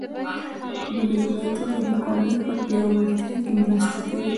ټولنیز ملاتړ د مقاومت په پیاوړتیا کې مرسته کوي.